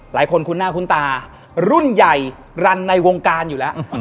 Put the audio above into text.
คุ้นหน้าคุ้นตารุ่นใหญ่รันในวงการอยู่แล้ว